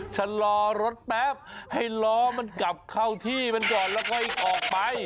ชะลอรถแป๊บให้ล้อมันกลับเข้าที่มันก่อนแล้วค่อยออกไป